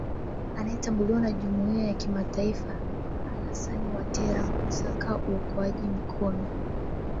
anayetambuliwa na jumuiya ya kimataifa alasan watera kusaka uungwaji mkono